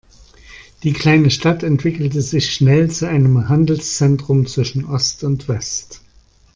Die kleine Stadt entwickelte sich schnell zu einem Handelszentrum zwischen Ost und West.